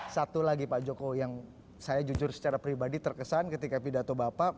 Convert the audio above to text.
satu lagi pak jokowi yang saya jujur secara pribadi terkesan ketika pidato bapak